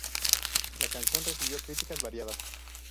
La canción recibió críticas variadas.